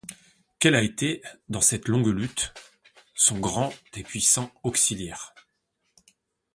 Quel a été, dans cette longue lutte, son grand et puissant auxiliaire?